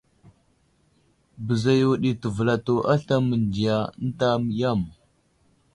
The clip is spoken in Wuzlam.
Bəza yo ɗi təvelato aslam mənziya ənta yam.